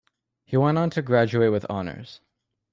He went on to graduate with honours.